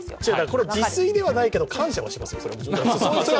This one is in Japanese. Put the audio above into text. これ、自炊ではないけど感謝はしてますよ。